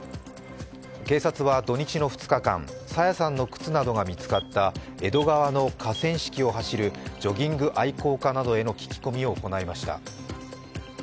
警察は土日の２日間、朝芽さんの靴などが見つかった江戸川の河川敷を走るジョギング愛好家などへの聞き込みを行いました。